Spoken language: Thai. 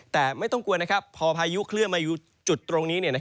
แต่ไม่ต้องกลัวนะครับพอพายุเคลื่อนมาอยู่จุดตรงนี้